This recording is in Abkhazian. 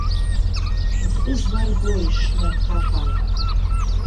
Рхы зларбои, Шларҭаԥаа?